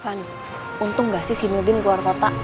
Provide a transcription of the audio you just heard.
kan untung gak sih si nurdin keluar kota